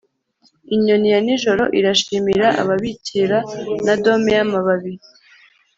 inyoni ya nijoro irashimira ababikira na dome yamababi